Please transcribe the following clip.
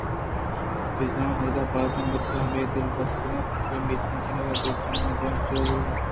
بِہ زاں اد ءَ بازیں مُرگے ءَ ہمےدل بستگ اَت ءُ اُمیّت کنگ ءَ اِتنت کہ چمے داناں چِن ءُ ورئے کنیں